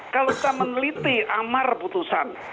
kalau kita meneliti amar putusan